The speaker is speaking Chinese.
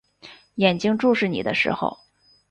眼睛注视你的时候